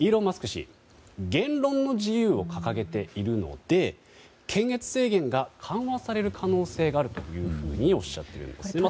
氏言論の自由を掲げているので検閲制限が緩和される可能性があるとおっしゃっているんですね。